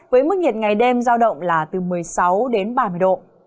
với mức nhiệt ngày đêm giao động là từ một mươi sáu đến ba mươi độ